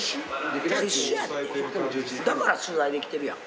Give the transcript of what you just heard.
だから取材できてるやん。